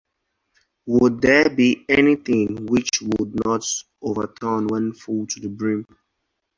Would there be anything which would not overturn when full to the brim?